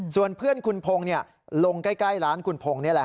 ส่วนเพื่อนคุณพงศ์ลงใกล้ร้านคุณพงศ์นี่แหละ